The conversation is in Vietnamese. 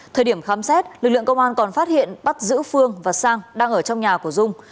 thời điểm khám xét lực lượng công an còn phát hiện bắt giữ phương và sang đang ở trong nhà của dung